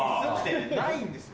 ないんです！